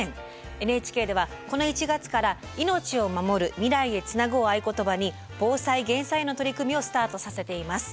ＮＨＫではこの１月から「命をまもる未来へつなぐ」を合言葉に防災・減災の取り組みをスタートさせています。